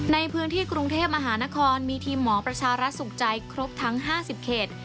ในพื้นที่กรุงเทพมหานครมีทีมหมอประชารัฐสุขใจครบทั้ง๕๐เขต